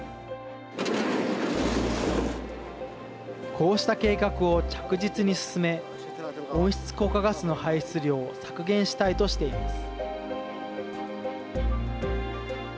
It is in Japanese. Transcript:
こうした計画を着実に進め温室効果ガスの排出量を削減したいとしています。